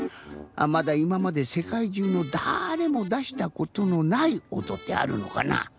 まだいままでせかいじゅうのだれもだしたことのないおとってあるのかな？